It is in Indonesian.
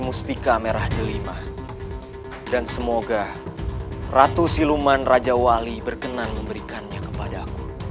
mustika merah delima dan semoga ratu siluman raja wali berkenan memberikannya kepada aku